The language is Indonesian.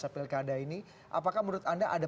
pilkada ini apakah menurut anda ada